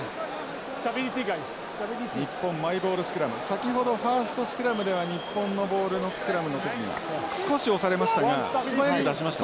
先ほどファーストスクラムでは日本のボールのスクラムのときには少し押されましたが素早く出しました。